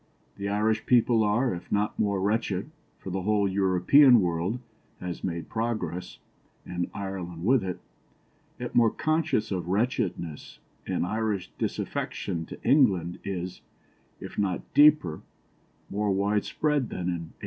The Irish people are, if not more wretched (for the whole European world has made progress, and Ireland with it), yet more conscious of wretchedness, and Irish disaffection to England is, if not deeper, more widespread than in 1800.